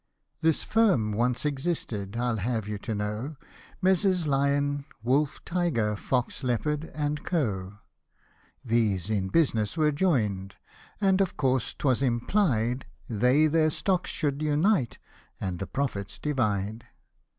THIS Jinn once existed, I'd have you to know, Messrs. Lion, Wolf, Tiger, Fox, Leopard, and Co. ; These in business were join'd, and of course 'twas im plied, They their stocks should unite, and the profits di vide.